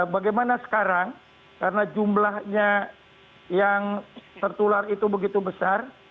bagaimana sekarang karena jumlahnya yang tertular itu begitu besar